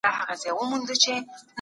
په سوسياليستي نظام کي شخصي ملکيت نسته.